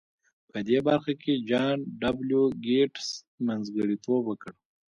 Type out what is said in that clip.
په دې برخه کې جان ډبلیو ګیټس منځګړیتوب وکړ